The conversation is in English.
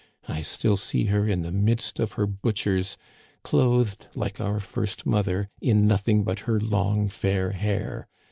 I still see her in the midst of her butchers, clothed, like our first mother, in nothing but her long, fair hair.